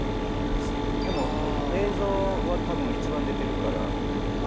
でも映像はたぶん一番出てるから。